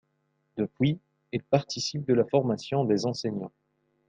Depuis, il participe de la formation des enseignants.